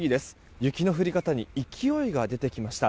雪の降り方に勢いが出てきました。